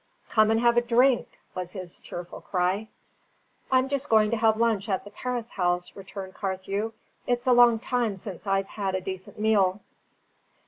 "Come and have a drink!" was his cheerful cry. "I'm just going to have lunch at the Paris House," returned Carthew. "It's a long time since I have had a decent meal."